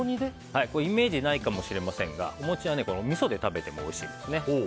イメージないかもしれませんがお餅はみそで食べてもおいしいですね。